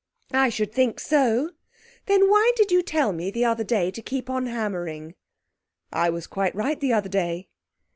'I should think so! Then why did you tell me the other day to keep on hammering?' 'I was quite right the other day.'